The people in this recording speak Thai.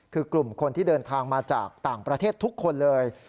คือกลุ่มคนที่เดินทางมาจากต่างประเทศทุกคนเลย